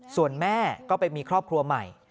ส่วนแม่ก็ไปมีครอบครัวใหม่